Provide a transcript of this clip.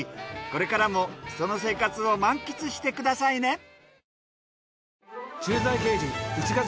これからもその生活を満喫してくださいね。